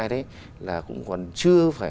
đấy là cũng còn chưa phải